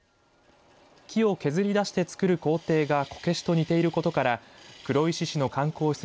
木を削りだして作る工程がこけしと似ていることから黒石市の観光施設